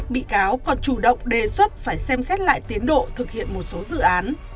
bị cáo còn chủ động đề xuất phải xem xét lại tiến độ thực hiện một số dự án